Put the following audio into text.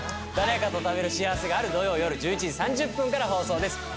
誰かと食べる幸せがある土曜夜１１時３０分から放送です